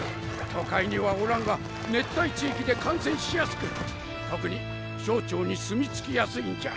都会にはおらんが熱帯地域で感染しやすく特に小腸に住み着きやすいんじゃ。